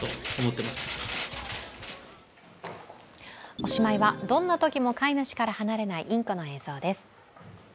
おしまいは、どんなときも飼い主から離れないインコの映像です。